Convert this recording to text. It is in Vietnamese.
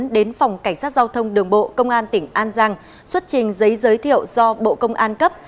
đến phòng cảnh sát giao thông đường bộ công an tỉnh an giang xuất trình giấy giới thiệu do bộ công an cấp